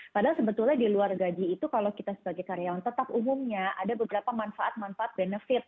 padahal sebetulnya di luar gaji itu kalau kita sebagai karyawan tetap umumnya ada beberapa manfaat manfaat benefit